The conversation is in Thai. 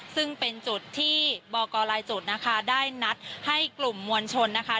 ซึ่งเป็นจุดที่บอกกรลายจุดนะคะได้นัดให้กลุ่มมวลชนนะคะ